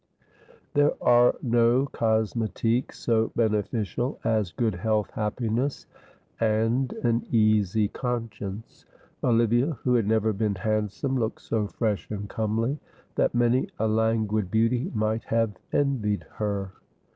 There are no cosmetiques so beneficial as good health, happiness, and an easy conscience. Olivia, who had never been handsome, looked so fresh and comely, that many a languid beauty might have envied her.